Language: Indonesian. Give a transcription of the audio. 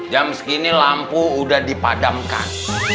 jam segini lampu sudah dipadamkan